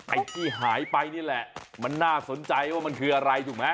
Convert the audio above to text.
ไอ้ที่หายไปนี่แหละมันน่าสนใจว่ามันคืออะไรถูกไหม